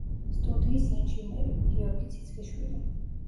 სტუდიის ინჟინერი: გიორგი ციცქიშვილი.